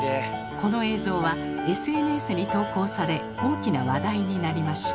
この映像はＳＮＳに投稿され大きな話題になりました。